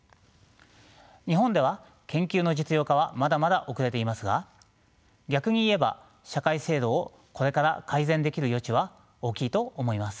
日本では研究の実用化はまだまだ遅れていますが逆に言えば社会制度をこれから改善できる余地は大きいと思います。